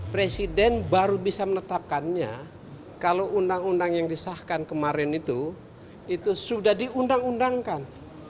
presiden baru bisa menetapkannya kalau undang undang yang disahkan kemarin itu itu sudah diundang undangkan